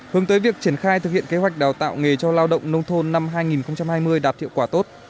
hướng tới việc triển khai thực hiện kế hoạch đào tạo nghề cho lao động nông thôn năm hai nghìn hai mươi đạt hiệu quả tốt